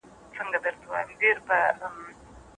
ميرويس خان نيکه خپله زده کړه چېرته ترلاسه کړه؟